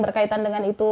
berkaitan dengan itu